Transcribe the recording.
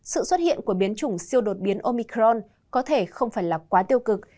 sự xuất hiện của biến chủng siêu đột biến omicron có thể không phải là quá tiêu cực